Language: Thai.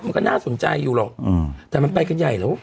มันก็น่าสนใจอยู่หรอกแต่มันไปกันใหญ่แล้ว